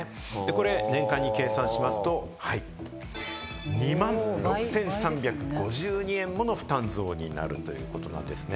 これ年間に計算しますと、２万６３５２円もの負担増になるということなんですね。